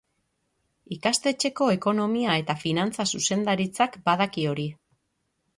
Ikastetxeko Ekonomia eta Finantza Zuzendaritzak badaki hori.